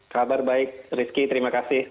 kabar baik rizky terima kasih